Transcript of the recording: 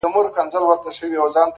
مړ يمه هغه وخت به تاته سجده وکړمه”